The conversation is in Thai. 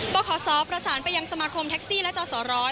ขศประสานไปยังสมาคมแท็กซี่และจอสร้อย